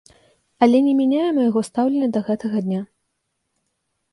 Але не мяняе майго стаўлення да гэтага дня.